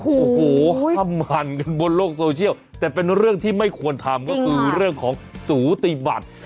โอ้โหทำหั่นกันบนโลกโซเชียลแต่เป็นเรื่องที่ไม่ควรทำก็คือเรื่องของสูติบัติ